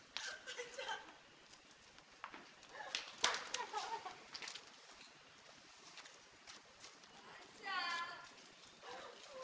kalian sama sama tidak menyadari